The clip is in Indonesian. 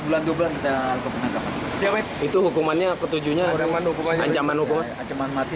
polisi menduga mereka menggunakan besi pagar untuk menutupi pagar besi